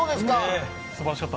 素晴らしかった。